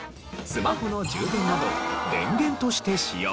スマホの充電など電源として使用。